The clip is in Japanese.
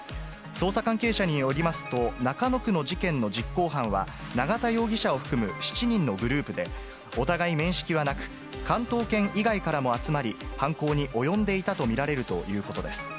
捜査関係者によりますと、中野区の事件の実行犯は、永田容疑者を含む７人のグループで、お互い面識はなく、関東圏以外からも集まり、犯行に及んでいたと見られるということです。